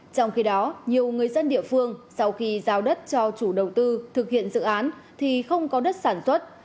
trong khi đó nhiều người dân địa phương sau khi giao đất cho chủ đầu tư thực hiện dự án thì không có đất sản xuất